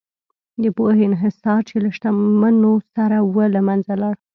د پوهې انحصار چې له شتمنو سره و، له منځه لاړ.